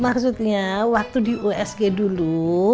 maksudnya waktu di usg dulu